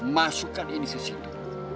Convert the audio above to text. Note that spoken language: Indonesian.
masukkan ini ke situ